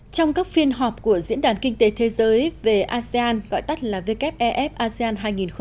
trong các phiên họp của diễn đàn kinh tế thế giới về asean gọi tắt là wfef asean hai nghìn một mươi tám